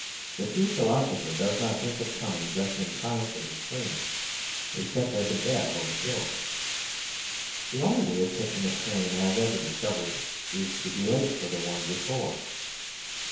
The true philosopher does not think of coming just in time for his train except as a bet or a joke. The only way of catching a train I have ever discovered is to be late for the one before.